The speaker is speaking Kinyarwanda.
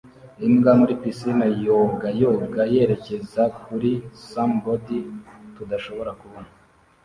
Imbwa muri pisine yoga koga yerekeza kuri sombody tudashobora kubona